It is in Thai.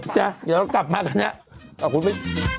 จะเรากลับมากันนะ